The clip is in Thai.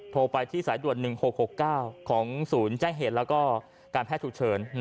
โทรไปที่สายด่วน๑๖๖๙ของศูนย์แจ้งเหตุและการแพทย์ฉุกเฉิน